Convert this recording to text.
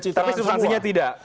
oke tapi substansinya tidak